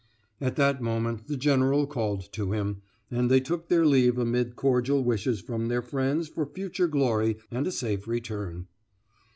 At that moment the general called to him, and they took their leave amid cordial wishes from their friends for future glory and a safe return.